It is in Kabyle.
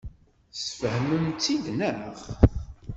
Tesfehmem-tt-id, naɣ?